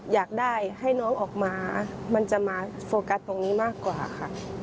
อยากได้ให้น้องออกมามันจะมาโฟกัสตรงนี้มากกว่าค่ะ